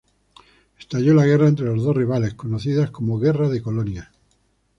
Estalló la guerra entre los dos rivales: conocida como guerra de Colonia.